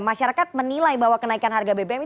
masyarakat menilai bahwa kenaikan harga bbm itu tidak sesuai